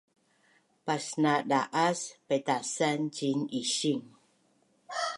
pasnada’as paitasan ciin ising